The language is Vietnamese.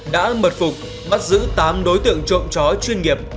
đã mật phục bắt giữ tám đối tượng trộm chó chuyên nghiệp